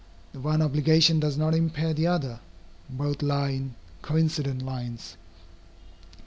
The one obligation does not impair the other. Both lie in coincident lines.